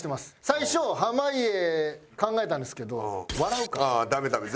最初濱家考えたんですけど笑うから。